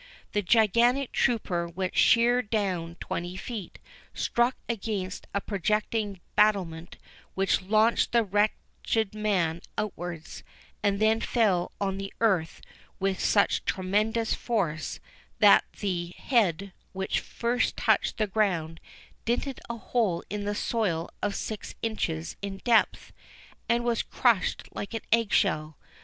The gigantic trooper went sheer down twenty feet, struck against a projecting battlement, which launched the wretched man outwards, and then fell on the earth with such tremendous force, that the head, which first touched the ground, dinted a hole in the soil of six inches in depth, and was crushed like an eggshell.